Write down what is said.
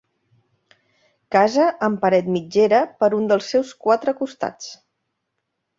Casa amb paret mitgera per un dels seus quatre costats.